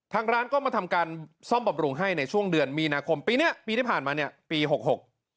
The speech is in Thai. ทางร้านก็มาทำการซ่อมบำรุงให้ในช่วงเดือนมีนาคมปีเนี้ยปีที่ผ่านมาเนี้ยปีหกหก